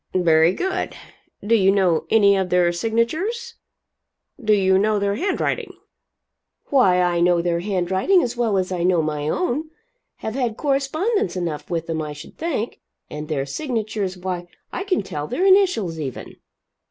"Very good. Do you know any of their signatures? Do you know their handwriting?" "Why I know their handwriting as well as I know my own have had correspondence enough with them, I should think. And their signatures why I can tell their initials, even."